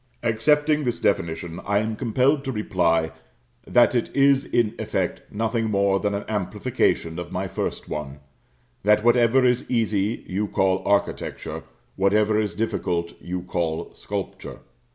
Accepting this definition, I am compelled to reply, that it is in effect nothing more than an amplification of my first one that whatever is easy you call architecture, whatever is difficult you call sculpture.